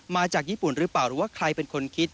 มาจากญี่ปุ่นหรือเปล่าหรือว่าใครเป็นคนคิด